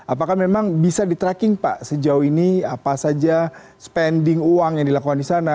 apakah memang bisa di tracking pak sejauh ini apa saja spending uang yang dilakukan di sana